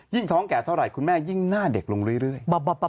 ท้องแก่เท่าไหร่คุณแม่ยิ่งหน้าเด็กลงเรื่อย